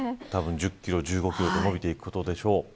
１０キロ、１５キロと延びていくことでしょう。